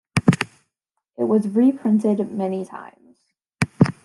It was reprinted many times.